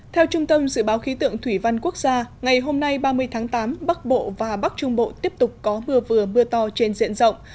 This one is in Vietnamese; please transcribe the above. theo trung tâm dự báo khí tượng thủy văn quốc gia ngày hôm nay ba mươi tháng tám bắc bộ và bắc trung bộ tiếp tục có mưa vừa mưa to trên diện rộng